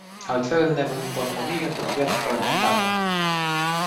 Altfel ne vom împotmoli într-o piață fragmentată.